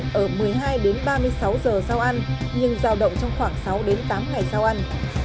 người bị ngộ độc có thể khởi phát bệnh ở một mươi hai đến ba mươi sáu giờ sau ăn nhưng giao động trong khoảng sáu đến tám ngày sau ăn